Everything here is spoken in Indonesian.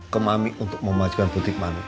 ke mami untuk memajukan butik mami